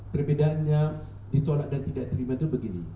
perbedaannya ditolak dan tidak terima itu begini